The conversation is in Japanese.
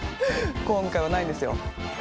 今回はないんですよ。